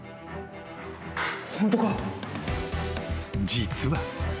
［実は］